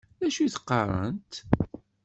D acu i d-qqarent?